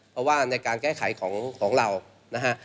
เพราะว่าในการแก้ไขของเรานะฮะ